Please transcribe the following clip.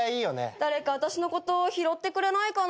誰か私のこと拾ってくれないかな？